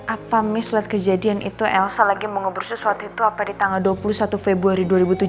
apa mislet kejadian itu elsa lagi mau ngobrol sesuatu itu apa di tanggal dua puluh satu februari dua ribu tujuh belas